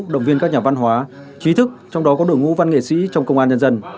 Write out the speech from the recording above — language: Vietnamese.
động viên các nhà văn hóa trí thức trong đó có đội ngũ văn nghệ sĩ trong công an nhân dân